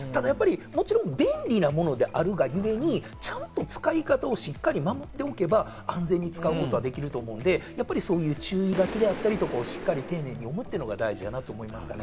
もちろん便利なものであるがゆえに、ちゃんと使い方をしっかりと守っておけば安全に使うことはできると思うので、やっぱりそういう注意書きであったりとか、丁寧に読むというのは大事だなと思いますね。